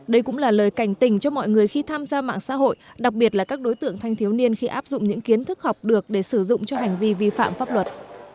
đây cũng là lời cảnh tình cho mọi người khi tham gia mạng xã hội đặc biệt là các đối tượng thanh thiếu niên khi áp dụng những kiến thức học được để sử dụng cho hành vi vi phạm pháp luật